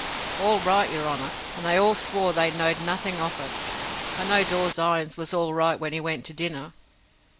"All right, your honour; and they all swore they knowed nothing of it. I know Dawes's irons was all right when he went to dinner."